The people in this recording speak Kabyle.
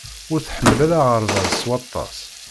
Ur tḥemmel ara aɣerbaz s waṭas.